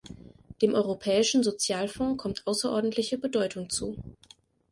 Dem Europäischen Sozialfonds kommt außerordentliche Bedeutung zu.